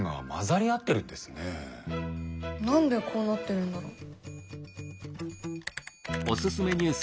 何でこうなってるんだろう？